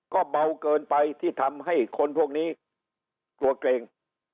ก็เบาเกินไปที่ทำให้คนพวกนี้กลัวเกรง